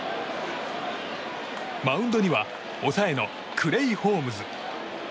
マウンドには抑えのクレイ・ホームズ。